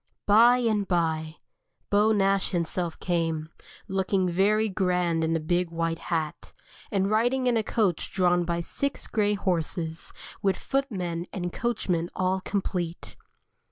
By and by Beau Nash himself came, looking very grand in a big white hat, and riding in a coach drawn by six grey horses, with footmen and coachmen all complete.